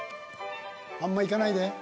あんまいかないで。